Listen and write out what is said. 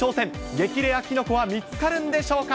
激レアキノコは見つかるんでしょうか。